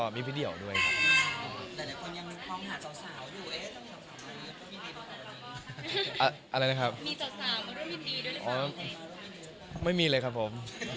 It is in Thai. ปุ๊กฎินทรีย์อ๋อไม่มีเลยครับผม